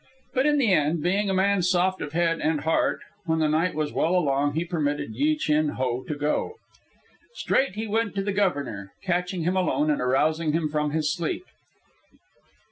But in the end, being a man soft of head and heart, when the night was well along he permitted Yi Chin Ho to go. Straight he went to the Governor, catching him alone and arousing him from his sleep.